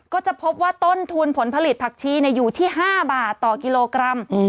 ก็จะพบว่าต้นทุนผลผลิตผักชีอยู่ที่๕บาทต่อกิโลกรัม